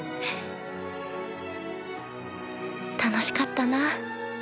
楽しかったな。